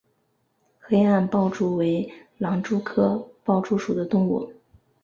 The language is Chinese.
黑暗豹蛛为狼蛛科豹蛛属的动物。